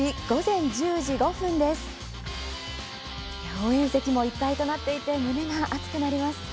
応援席も一体となっていて胸が熱くなります。